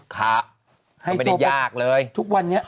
ก็ไม่ได้ยากเลย